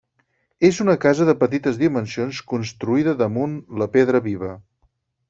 És una casa de petites dimensions construïda damunt la pedra viva.